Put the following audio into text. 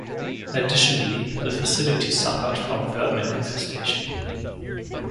Additionally, the facility suffered from vermin infestation.